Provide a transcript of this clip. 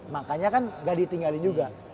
makanya kan gak ditinggalin juga